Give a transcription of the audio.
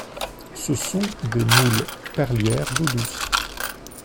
Ce sont des moules perlières d'eau douce.